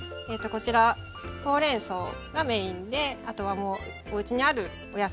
こちらほうれんそうがメインであとはもうおうちにあるお野菜。